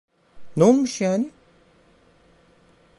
Ne olmuş yani?